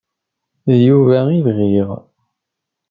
D Yuba i bɣiɣ.